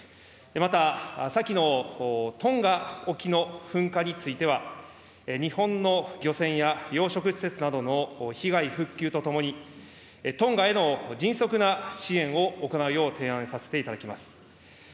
また、先のトンガ沖の噴火については、日本の漁船や養殖施設などの被害、復旧とともに、トンガへの迅速な支援を行うよう提案させていただきます。